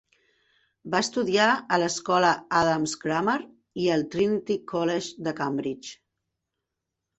Va estudiar a l'Escola Adams' Grammar i al Trinity College, de Cambridge.